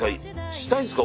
したいですか？